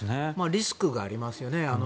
リスクがありますよね。